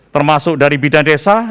termasuk dari bidang desa